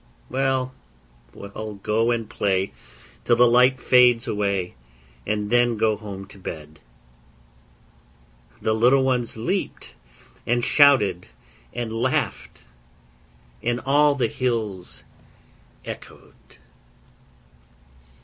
'Well, well, go and play till the light fades away, And then go home to bed.' The little ones leaped, and shouted, and laughed, And all the hills echoèd.